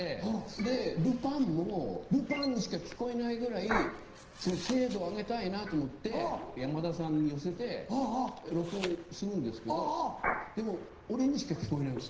でルパンもルパンにしか聞こえないぐらいその精度を上げたいなと思って山田さんに寄せて録音するんですけどでも俺にしか聞こえないんですよ。